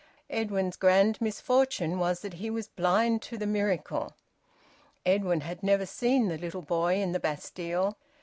Edwin's grand misfortune was that he was blind to the miracle. Edwin had never seen the little boy in the Bastille.